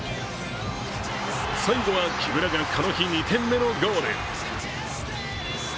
最後は木村が、この日２点目のゴール。